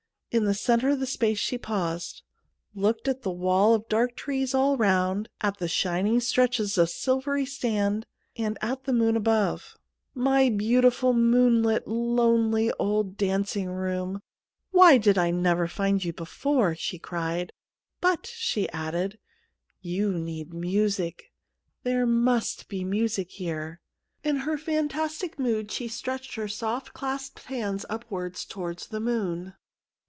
In the centre of the space she paused, looked at the wall of dark trees all round, at the shining stretches of silvery sand and at the moon above. 48 THE MOON SLAVE ' My beautiful, moonlit, lonelj'^, old dancing room, why did I never find you before ?' she cried ;' but,' she added, ' you need music — there must be music here.' In her fantastic mood she stretched her soft, clasped hands upwards towards the moon.